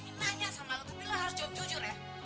gue pengen nanya sama lo tapi lo harus jawab jujur ya